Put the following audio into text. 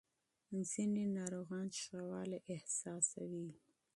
ځینې ناروغان ښه والی احساسوي.